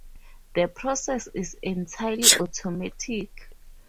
The process is entirely automatic.